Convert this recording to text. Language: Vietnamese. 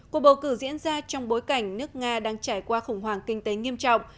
cuộc bầu cử diễn ra trong bối cảnh nước nga đang trải qua khủng hoảng kinh tế nghiêm trọng